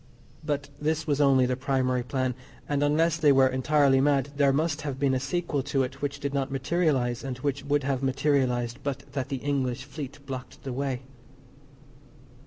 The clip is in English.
But this was only the primary plan, and, unless they were entirely mad, there must have been a sequel to it which did not materialise, and which would have materialised but that the English Fleet blocked the way.